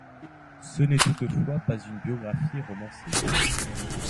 Ce n'est toutefois pas une biographie romancée.